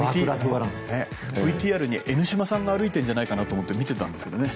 ＶＴＲにエノシマさんが歩いているんじゃないかなって思って見ていたんですけどね。